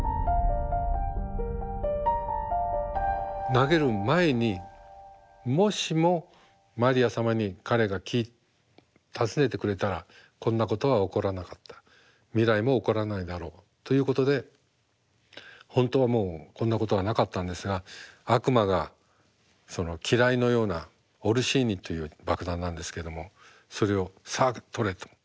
投げる前にもしもマリア様に彼が訪ねてくれたらこんなことは起こらなかった未来も起こらないだろうということで本当はもうこんなことはなかったんですが悪魔が機雷のようなオルシーニという爆弾なんですけどもそれを「さあ取れ」と。